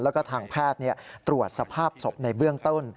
แล้วก็ทางแพทย์ตรวจสภาพศพในเบื้องต้น